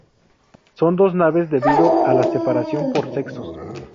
Son dos naves debido a la separación por sexos.